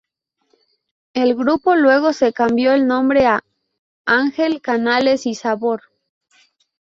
El grupo luego se cambió el nombre a "Ángel Canales y Sabor".